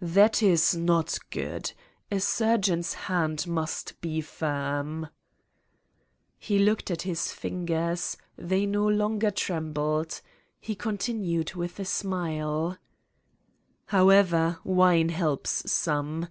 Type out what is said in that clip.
That is not good. A surgeon's hand must be firm." 214 Satan's Diary He looked at his fingers : they no longer trem bled. He continued with a smile : "However, wine helps some.